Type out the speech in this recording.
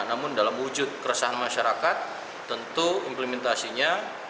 namun dalam wujud keresahan masyarakat tentu implementasinya